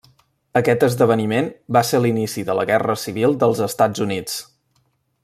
Aquest esdeveniment va ser l'inici de la Guerra Civil dels Estats Units.